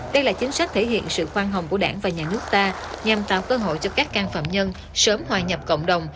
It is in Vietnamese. đây là chính sách thể hiện sự khoan hồng của đảng và nhà nước ta nhằm tạo cơ hội cho các can phạm nhân sớm hòa nhập cộng đồng